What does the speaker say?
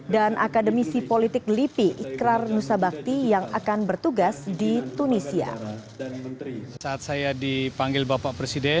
dan akademisi politik lipi ikrar nusabakti yang akan bertugas di tunisia